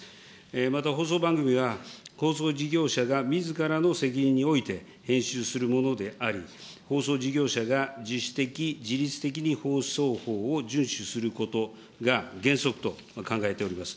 また放送番組は、放送事業者がみずからの責任において編集するものであり、放送事業者が自主的、自律的に放送法を順守することが原則と考えております。